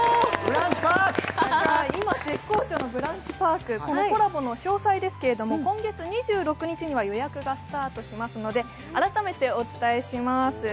今絶好調のブランチパーク、コラボの詳細ですけれども、今月２６日には予約がスタートしますので、改めてお伝えします。